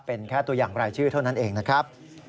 เป็นแค่ตัวอย่างรายชื่อเท่านั้นเองนะครับ